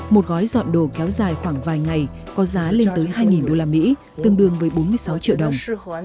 một gói dọn đồ kéo dài khoảng vài ngày có giá lên tới hai usd tương đương với bốn mươi sáu triệu đồng